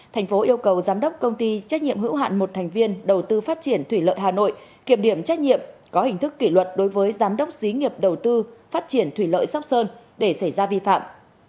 thành phố yêu cầu giám đốc công ty trách nhiệm hữu hạn một thành viên đầu tư phát triển thủy lợi hà nội kiểm điểm trách nhiệm có hình thức kỷ luật đối với giám đốc xí nghiệp đầu tư phát triển thủy lợi sóc sơn để xảy ra vi phạm